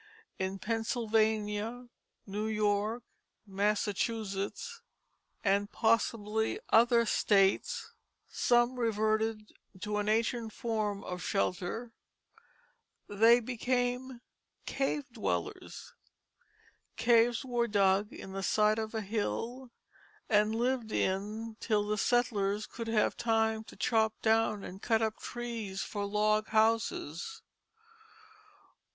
In Pennsylvania, New York, Massachusetts, and, possibly, other states, some reverted to an ancient form of shelter: they became cave dwellers; caves were dug in the side of a hill, and lived in till the settlers could have time to chop down and cut up trees for log houses.